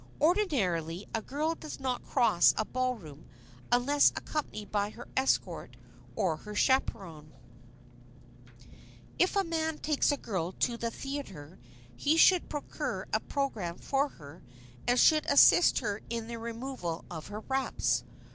Ordinarily, a girl does not cross a ballroom unless accompanied by her escort or her chaperon. [Sidenote: AT THE THEATER] If a man takes a girl to the theater he should procure a program for her and should assist her in the removal of her wraps.